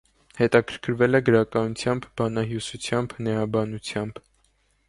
Հետաքրքրվել է գրականությամբ, բանահյուսությամբ, հնէաբանությամբ։